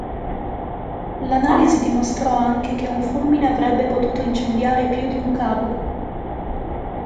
L'analisi dimostrò anche che un fulmine avrebbe potuto incendiare più di un cavo.